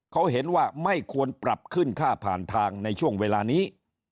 เขาเห็นว่าไม่ควรปรับขึ้นค่าผ่านทางในช่วงเวลานี้